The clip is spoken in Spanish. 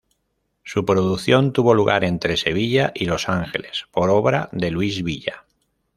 Su producción tuvo lugar entre Sevilla y Los Ángeles, por obra de Luis Villa.